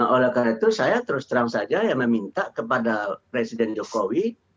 oleh karena itu saya terus terang saja meminta kepada presiden jokowi